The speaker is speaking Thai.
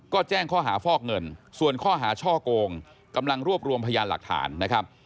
ก็แจ้งข้อหาฟอกเงินส่วนข้อหาช่อโกงกำลังรวบรวมพยานหลักฐานนะครับ